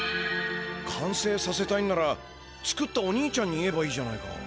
かんせいさせたいならつくったお兄ちゃんに言えばいいじゃないか。